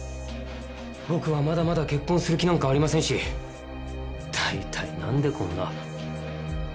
僕はまだまだ結婚する気なんかありませんし大体なんでこんな。